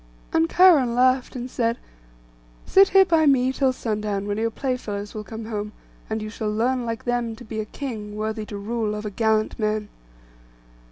And Cheiron laughed, and said, 'Sit here by me till sundown, when your playfellows will come home, and you shall learn like them to be a king, worthy to rule over gallant men.